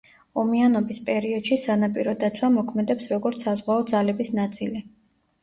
ომიანობის პერიოდში სანაპირო დაცვა მოქმედებს როგორც საზღვაო ძალების ნაწილი.